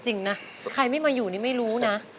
จริงนะใครไม่มาอยู่นี่ไม่รู้นะ